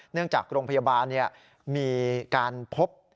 จากโรงพยาบาลมีการพบ